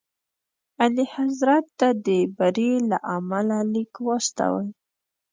اعلیحضرت ته د بري له امله لیک واستوئ.